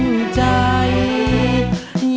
โอ้มันหวนสาบานต่อหน่ายาโมนกลับไป